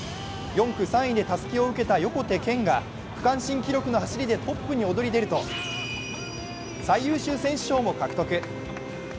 ４区、３位でたすきを受けた横手健が区間新記録の走りでトップに躍り出ると最優秀選手賞も獲得。